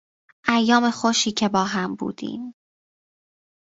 ایام خوشی که با هم بودیم